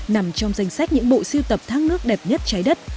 nằm trong danh sách những bộ siêu tập thác nước đẹp nhất trái đất